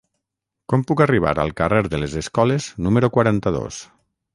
Com puc arribar al carrer de les Escoles número quaranta-dos?